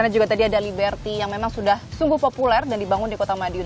dan juga tadi ada liberty yang memang sudah sungguh populer dan dibangun di kota madiun